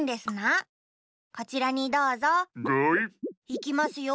いきますよ。